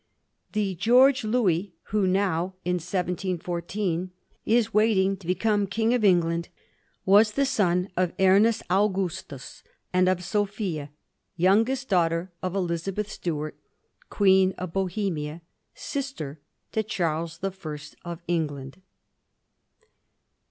The George Louis, who now in 1714 «^ is waiting to become King of England, was the son of Ernest Augustus and of Sophia, youngest daughter of Elizabeth Stuart, Queen of Bohemia, sister to Charles I. of England.